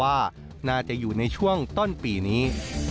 ว่าน่าจะอยู่ในช่วงต้นปีนี้